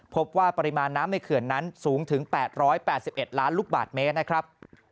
พบว่าปริมาณน้ำในเขื่อนนั้นสูงถึง๘๘๑ล้านลูกบาทเมตรนะครับ